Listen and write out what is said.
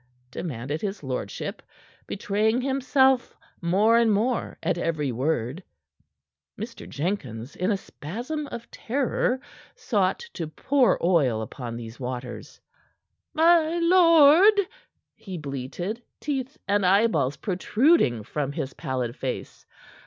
demanded his lordship, betraying himself more and more at every word. Mr. Jenkins, in a spasm of terror, sought to pour oil upon these waters. "My lord," he bleated, teeth and eyeballs protruding from his pallid face.